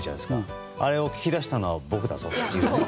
あれを引き出したのは僕だぞという。